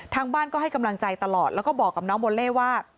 ทางบ้านก็ให้กำลังใจตลอดแล้วก็บอกกับน้องโบเล่ว่า